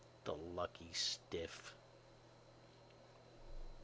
The lucky stiff.